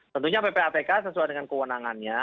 tentunya ppatk sesuai dengan kewenangannya